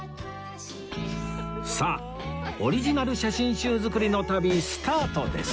さあオリジナル写真集作りの旅スタートです